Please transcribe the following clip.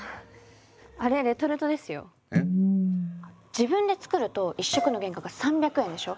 自分で作ると一食の原価が３００円でしょ。